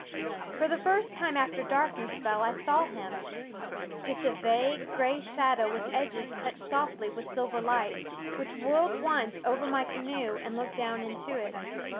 For the first time after darkness fell I saw him just a vague, 214 Quoskh Keen Eyed gray shadow with edges touched softly with silver light, which whirled once over my canoe and looked down into it.